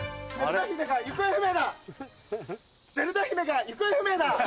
ゼルダ姫が行方不明だ。